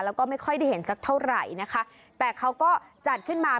แล้วก็ไม่ค่อยได้เห็นสักเท่าไหร่นะคะแต่เขาก็จัดขึ้นมา